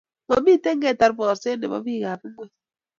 Mamiten ketar borset nebo biikab ingweny.